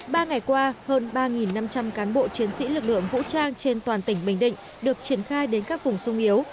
ba ngày qua hơn ba năm trăm linh cán bộ chiến sĩ lực lượng vũ trang trên toàn tỉnh bình định được triển khai đến các vùng sung yếu